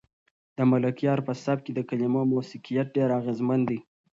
د ملکیار په سبک کې د کلمو موسیقیت ډېر اغېزمن دی.